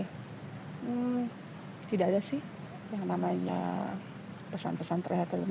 hmm tidak ada sih yang namanya pesan pesan terhadap ilmu